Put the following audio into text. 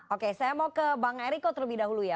oke saya mau ke bang eriko terlebih dahulu ya